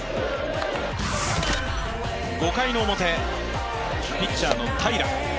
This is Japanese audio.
５回の表、ピッチャーの平良。